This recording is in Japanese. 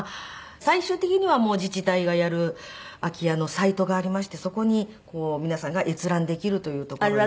最終的には自治体がやる空き家のサイトがありましてそこに皆さんが閲覧できるというところが。